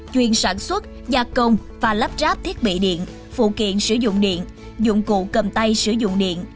chuyên sản xuất gia công và lắp ráp thiết bị điện phụ kiện sử dụng điện dụng cụ cầm tay sử dụng điện